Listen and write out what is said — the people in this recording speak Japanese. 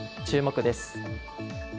注目です。